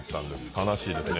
悲しいですね